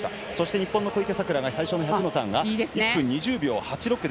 日本の小池さくら、最初の１００のターン、１分２０秒８６。